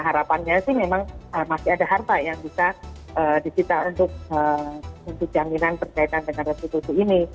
harapannya sih memang masih ada harta yang bisa disita untuk jaminan berkaitan dengan restitusi ini